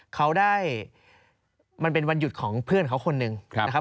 เขาได้มันเป็นวันหยุดของเพื่อนเขาคนหนึ่งนะครับ